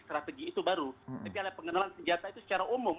strategi itu baru tapi ada pengenalan senjata